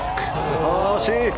惜しい。